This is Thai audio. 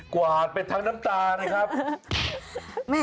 กวาดไปทั้งน้ำตานะครับ